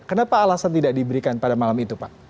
kenapa alasan tidak diberikan pada malam itu pak